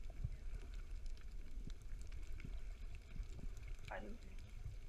Trabajó en teatro, cine, televisión y escribió varios libros.